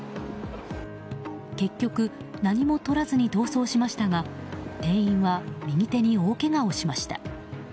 結局、何も取らずに逃走しましたが店員は右手に大けがをしました。